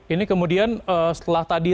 ini kemudian setelah tadi